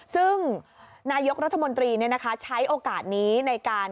ซึ่งนายกรัฐมนตรีใช้โอกาสนี้ในการ